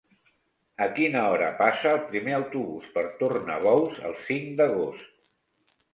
A quina hora passa el primer autobús per Tornabous el cinc d'agost?